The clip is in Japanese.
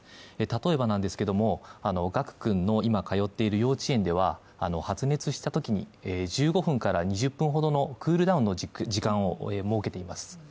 例えばなんですけれども、賀久君の今通っている幼稚園では発熱したときに１５分から２０分ほどのクールダウンの時間を設けています。